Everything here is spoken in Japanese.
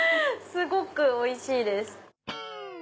すごくおいしいです。